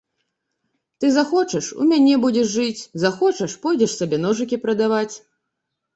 Ты захочаш, у мяне будзеш жыць, захочаш, пойдзеш сабе ножыкі прадаваць.